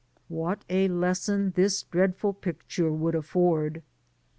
What a lesson this dreadful picture would afford